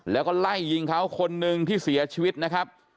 แล้วก็ไล่ยิงเขาคนหนึ่งที่เสียชีวิตนะครับ